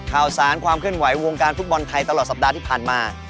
ข่าวสารความเคลื่อนไหววงการฟุตบอลไทยตลอดสัปดาห์ที่ผ่านมา